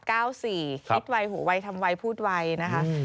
คิดไวหูไวทำไวพูดไวนะคะ